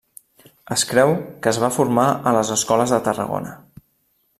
Es creu que es va formar a les escoles de Tarragona.